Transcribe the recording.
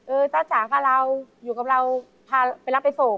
จ้าจ๋ากับเราอยู่กับเราพาไปรับไปส่ง